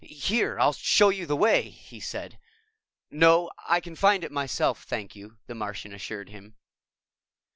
"Here, I'll show you the way," he said. "No, I can find it myself, thank you," the Martian assured him.